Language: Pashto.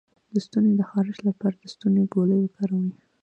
د ستوني د خارش لپاره د ستوني ګولۍ وکاروئ